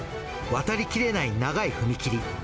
渡りきれない長い踏切。